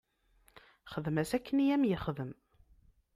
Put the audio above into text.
Xdem-as akken i m-yexdem.